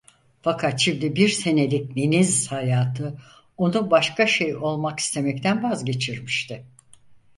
Fakat şimdi bir senelik deniz hayatı onu başka şey olmak istemekten vazgeçirmişti.